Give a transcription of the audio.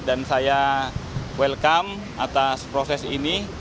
saya welcome atas proses ini